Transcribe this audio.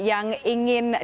yang ingin kamu lakukan